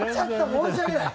申し訳ない。